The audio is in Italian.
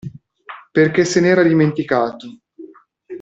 Perché se n'era dimenticato.